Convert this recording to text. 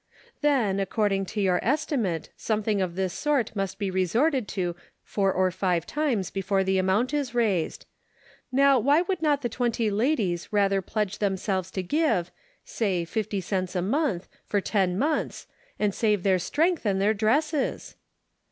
"Then, according to your estimate, some thing of this sort must be resorted to four or five times before the amount is raised. Now, why. would not the twenty ladies rather pledge themselves to give, say fifty cents a month, Interrogation Points. 83 for ten months, and save their strength and their dresses?"